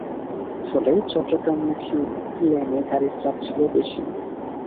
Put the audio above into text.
ফলে চট্টগ্রামমুখী লেনে গাড়ির চাপ ছিল বেশি।